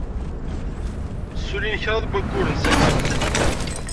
Ssullin kraḍ n wayyuren sakkin.